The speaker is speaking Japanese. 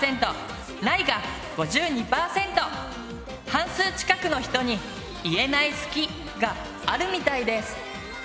半数近くの人に「言えない好き」があるみたいです。